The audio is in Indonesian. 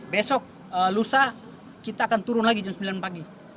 besok lusa kita akan turun lagi jam sembilan pagi